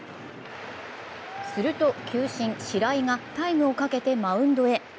すると、球審・白井がタイムをかけてマウンドへ。